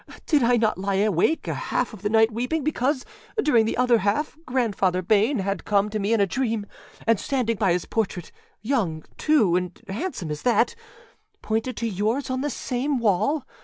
Did I not lie awake a half of the night weeping because, during the other half, Grandfather Bayne had come to me in a dream, and standing by his portraitâyoung, too, and handsome as thatâpointed to yours on the same wall?